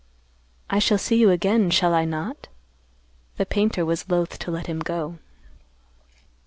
"I shall see you again, shall I not?" The painter was loath to let him go.